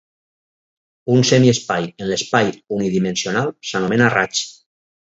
Un semiespai en l'espai unidimensional s'anomena raig.